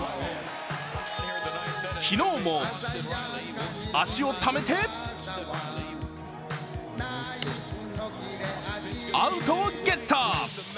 昨日も足をためてアウトをゲット。